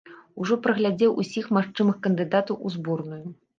Ужо праглядзеў усіх магчымых кандыдатаў у зборную.